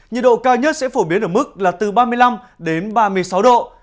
nhiệt độ cao nhất sẽ phổ biến ở mức là từ ba mươi năm đến ba mươi sáu độ